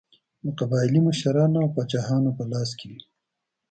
د قبایلي مشرانو او پاچاهانو په لاس کې وې.